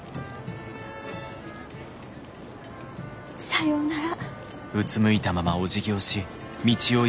さようなら。